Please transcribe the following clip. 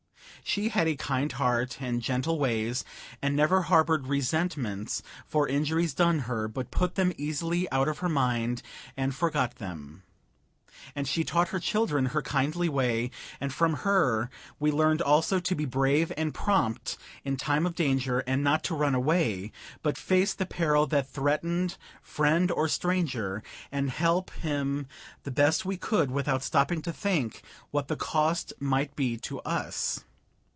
She had a kind heart and gentle ways, and never harbored resentments for injuries done her, but put them easily out of her mind and forgot them; and she taught her children her kindly way, and from her we learned also to be brave and prompt in time of danger, and not to run away, but face the peril that threatened friend or stranger, and help him the best we could without stopping to think what the cost might be to us.